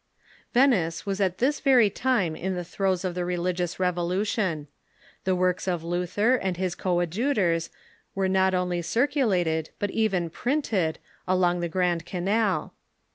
Venice was at this very time in the throes of the religious revolution. The works of Luther and his coadjutors were not only circulated, but even printed, along the Protestant Books q^.